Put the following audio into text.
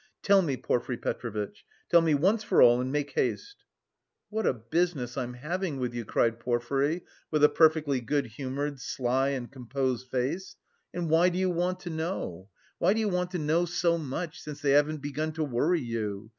Tell me, Porfiry Petrovitch, tell me once for all and make haste!" "What a business I'm having with you!" cried Porfiry with a perfectly good humoured, sly and composed face. "And why do you want to know, why do you want to know so much, since they haven't begun to worry you?